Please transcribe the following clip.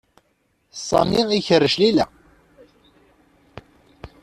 Sami ikerrec Layla.